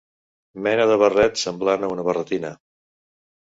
Mena de barret semblant a una barretina.